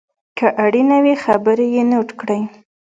که اړینه وي خبرې یې نوټ کړئ.